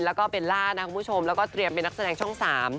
แล้วก็เบลล่านะคุณผู้ชมแล้วก็เตรียมเป็นนักแสดงช่อง๓